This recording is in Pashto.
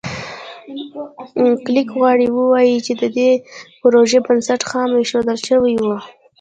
کلېک غواړي ووایي چې د دې پروژې بنسټ خام ایښودل شوی و.